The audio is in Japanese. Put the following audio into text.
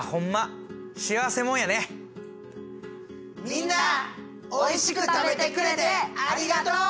みんなおいしく食べてくれてありがとう！